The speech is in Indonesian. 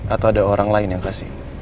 atau ada orang lain yang kasih